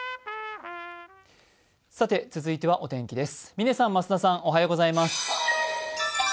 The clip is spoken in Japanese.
続いてはお天気です。